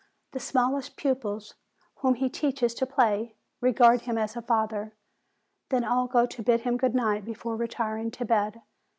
The smallest pupils, whom he teaches to play, regard him as a father. Then all go to bid him good night before retiring to bed.